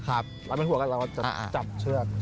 เราไม่หัวกันเราจะจับเชือก